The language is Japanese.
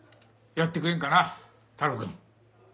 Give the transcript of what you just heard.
やってくれんかな太郎くん。